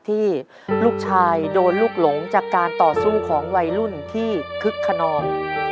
ที่ลูกชายโดนลูกหลงจากการต่อสู้ของวัยรุ่นที่คึกขนอง